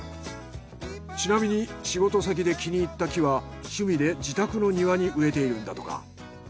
ちなみに仕事先で気に入った木は趣味で自宅の庭に植えているんだとか。